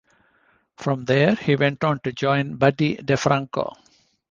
From there he went on to join Buddy DeFranco.